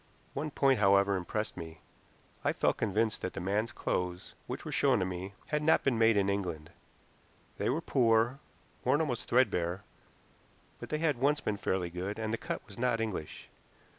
One point, however, impressed me. I felt convinced that the man's clothes, which were shown to me, had not been made in England. They were poor, worn almost threadbare, but they had once been fairly good, and the cut was not English.